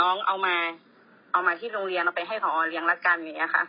น้องเอามาเอามาที่โรงเรียนเอาไปให้พอเลี้ยงละกันอย่างนี้ค่ะ